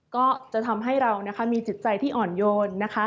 ก็จะทำให้เรามีจิตใจที่อ่อนโยน